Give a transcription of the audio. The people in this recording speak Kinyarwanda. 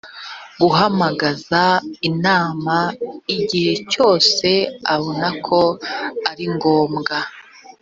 guhamagaza inama igihe cyose abona ko ari ngombwa